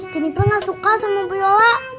jenifer nggak suka sama bu yola